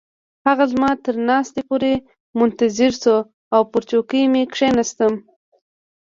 هغه زما تر ناستې پورې منتظر شو او پر چوکۍ مې کښیناستم.